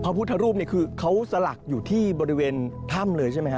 พุทธรูปนี่คือเขาสลักอยู่ที่บริเวณถ้ำเลยใช่ไหมฮะ